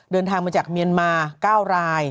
เดินทางมาจากเมียนมา๙ราย